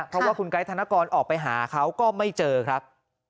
เพราะว่าคุณไกด์ธนกรออกไปหาเขาก็ไม่เจอครับ